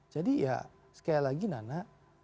jadi ya sekali lagi nana